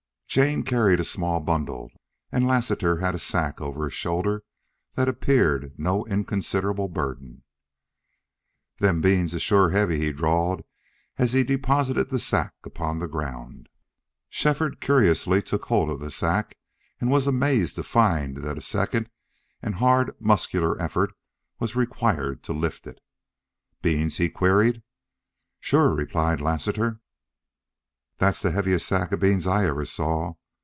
Jane carried a small bundle and Lassiter had a sack over his shoulder that appeared no inconsiderable burden. "Them beans shore is heavy," he drawled, as he deposited the sack upon the ground. Shefford curiously took hold of the sack and was amazed to find that a second and hard muscular effort was required to lift it. "Beans?" he queried. "Shore," replied Lassiter. "That's the heaviest sack of beans I ever saw.